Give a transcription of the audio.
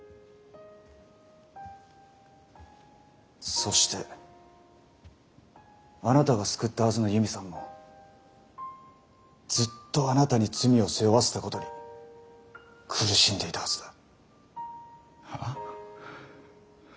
そしてあなたが救ったはずの悠美さんもずっとあなたに罪を背負わせたことに苦しんでいたはずだ。はあ？